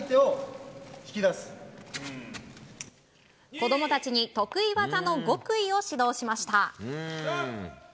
子供たちに得意技の極意を指導しました。